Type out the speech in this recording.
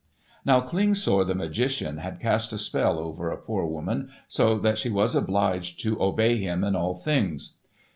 Now Klingsor the magician had cast a spell over a poor woman so that she was obliged to obey him in all things.